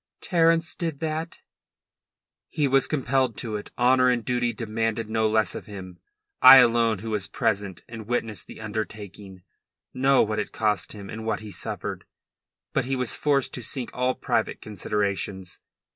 "Terence did that?" "He was compelled to it. Honour and duty demanded no less of him. I alone, who was present and witnessed the undertaking, know what it cost him and what he suffered. But he was forced to sink all private considerations.